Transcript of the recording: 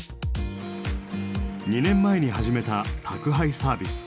２年前に始めた宅配サービス。